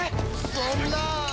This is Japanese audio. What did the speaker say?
そんなあ。